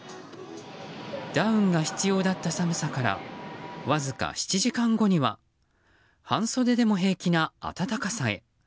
ダウンが必要だった寒さからわずか７時間後には半袖でも平気な暖かさへ。